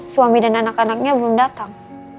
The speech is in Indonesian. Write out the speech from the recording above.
suami dan anak anaknya belum datang